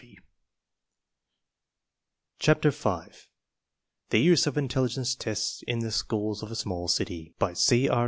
\ I CHAPTER FIVE The Use of Intelligence Tests in the Schools of a Small City C. R.